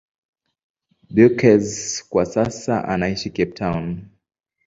Beukes kwa sasa anaishi Cape Town.